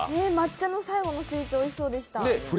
抹茶の最後のスイーツおいしそうでした。